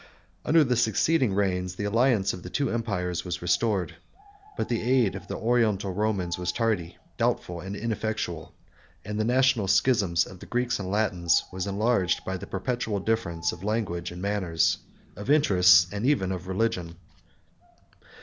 Under the succeeding reigns, the alliance of the two empires was restored; but the aid of the Oriental Romans was tardy, doubtful, and ineffectual; and the national schism of the Greeks and Latins was enlarged by the perpetual difference of language and manners, of interests, and even of religion.